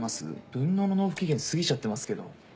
分納の納付期限過ぎちゃってますけど。